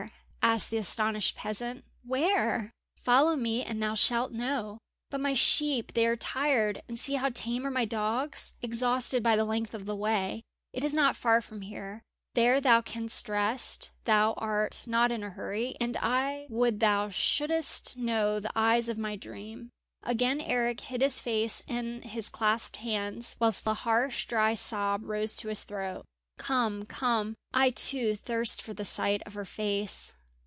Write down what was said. asked the astonished peasant, "where?" "Follow me and thou shalt know!" "But my sheep, they are tired; and see how tame are my dogs, exhausted by the length of the way." "It is not far from here there thou canst rest; thou art not in a hurry, and I would thou shouldst know the eyes of my dream." Again Eric hid his face in his clasped hands, whilst a harsh dry sob rose to his throat. "Come, come! I, too, thirst for the sight of her face."